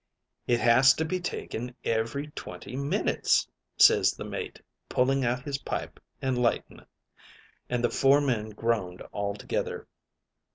"'It has to be taken every twenty minutes,' ses the mate, pulling out his pipe and lighting it; an' the four men groaned all together.